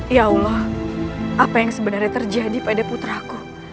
ya allah apa yang sebenarnya terjadi pada putraku